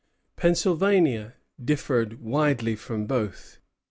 Pennsylvania differed widely from both.